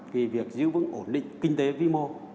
vì việc giữ vững ổn định kinh tế vĩ mô